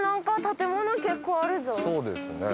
そうですね。